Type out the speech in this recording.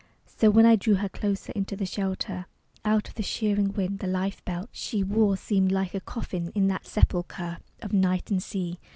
So when I drew her closer into the shelter, Out of the sheering wind, the life belt She wore seemed like a coffin in that sepulchre Of night and sea.